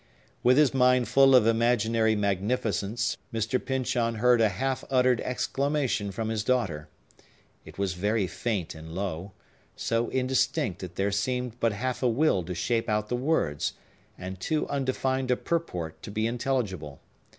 With his mind full of imaginary magnificence, Mr. Pyncheon heard a half uttered exclamation from his daughter. It was very faint and low; so indistinct that there seemed but half a will to shape out the words, and too undefined a purport to be intelligible.